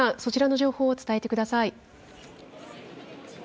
そちらの情報を伝えてください。